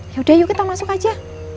ya udah yuk kita masuk aja